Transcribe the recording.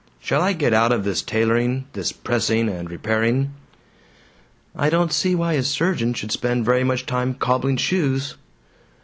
Shall I get out of this tailoring, this pressing and repairing?" "I don't see why a surgeon should spend very much time cobbling shoes."